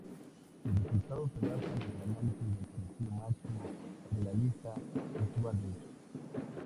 Sus resultados se basan en análisis de parecido máximo de la lista Swadesh.